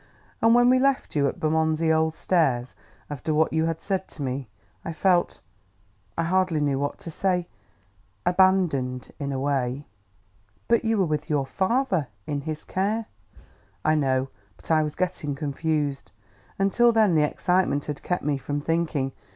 And when we left you, at Bermondsey Old Stairs, after what you had said to me, I felt I hardly know what to say abandoned, in a way." "But you were with your father, in his care " "I know, but I was getting confused. Until then the excitement had kept me from thinking.